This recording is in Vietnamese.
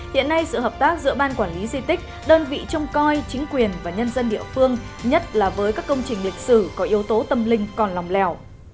hiện nay sự hợp tác giữa ban quản lý di tích đơn vị trông coi chính quyền và nhân dân địa phương nhất là với các công trình lịch sử có yếu tố tâm linh còn lòng lèo